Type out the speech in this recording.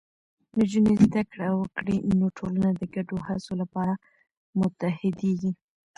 نجونې زده کړه وکړي، نو ټولنه د ګډو هڅو لپاره متحدېږي.